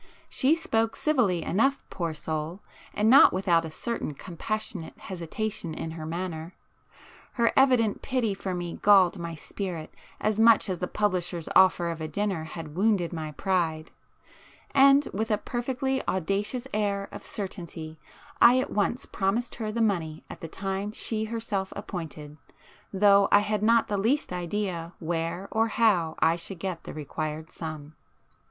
She spoke civilly enough, poor soul, and not without a certain compassionate hesitation in her manner. Her evident pity for me galled my spirit as much as the publisher's offer of a dinner had wounded my pride,—and with a perfectly audacious air of certainty I at once promised her the money at the time she herself appointed, though I had not the least idea where or how I should get the required sum.